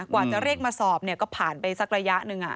กว่าจะเรียกมาสอบก็ผ่านไปสักระยะหนึ่ง